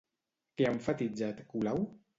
Què ha emfatitzat Colau?